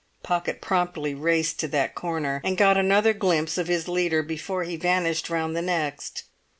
Pocket promptly raced to that corner, and got another glimpse of his leader before he vanished round the next.